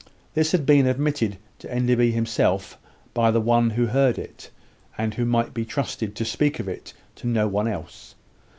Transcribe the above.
This had been admitted to Enderby himself by the one who heard it, and who might be trusted to speak of it to no one else.